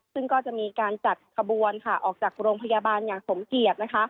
ซึ่งก็จะมีการจัดกระบวนออกจากโรงพยาบาลอย่างสมเกียรติ